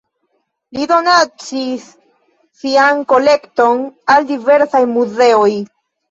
Li donacis sian kolekton al diversaj muzeoj.